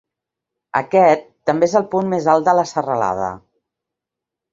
Aquest també és el punt més alt de la serralada.